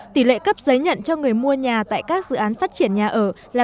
tỷ lệ cấp giấy nhận cho người mua nhà tại các dự án phát triển nhà ở là tám mươi hai bốn mươi năm